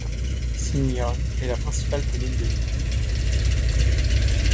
Sinhyeon est la principale commune de l'île.